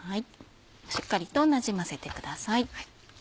しっかりとなじませてください。